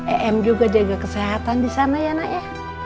em juga jaga kesehatan di sana ya nak ya